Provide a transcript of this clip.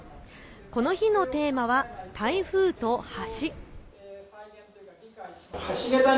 この日のテーマは台風と橋。